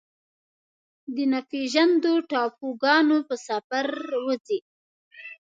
د ناپیژاندو ټاپوګانو په سفر وځي